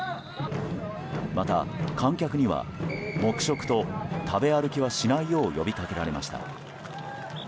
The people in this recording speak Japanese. また、観客には黙食と食べ歩きはしないよう呼びかけられました。